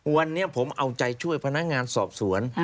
วันนี้ผมเอาใจช่วยพนักงานสอบสวน